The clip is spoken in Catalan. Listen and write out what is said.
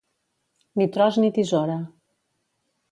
Ni tros ni tisora.